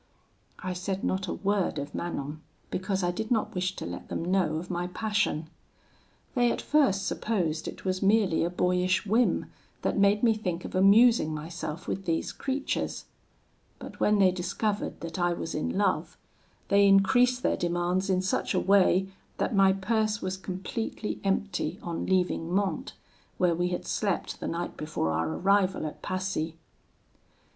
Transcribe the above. "I said not a word of Manon, because I did not wish to let them know of my passion. They at first supposed it was merely a boyish whim, that made me think of amusing myself with these creatures: but when they discovered that I was in love, they increased their demands in such a way, that my purse was completely empty on leaving Mantes, where we had slept the night before our arrival at Passy.